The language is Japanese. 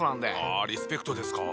あリスペクトですか。